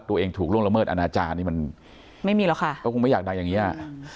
ตัวเองถูกล่วงละเมิดอาณาจารย์มันก็คงไม่อยากดังอย่างนี้